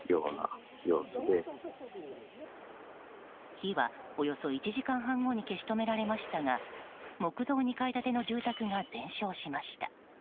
火は、およそ１時間半後に消し止められましたが木造２階建ての住宅が全焼しました。